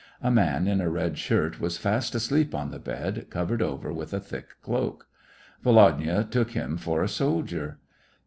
A man in a red shirt was fast asleep on the bed, covered over with a thick cloak. Volodya took him for a soldier.